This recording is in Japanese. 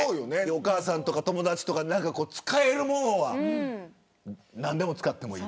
お母さんとか友達とか使えるものは何でも使ってもいい。